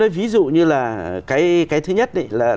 ví dụ như là cái thứ nhất